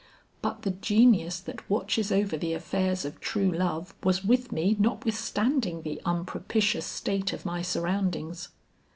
But the genius that watches over the affairs of true love was with me notwithstanding the unpropitious state of my surroundings.